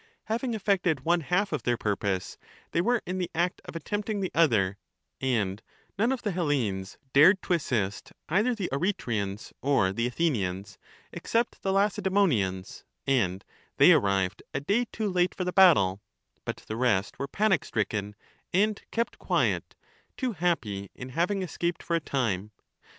Having effected one half of their purpose, they were in the act of attempting the other, and none of the Hellenes dared to assist either the Eretrians or the Athenians, except the Lacedaemonians, and they arrived a day too late for the battle ; but the rest were panic stricken and kept quiet, too happy in having escaped for a time.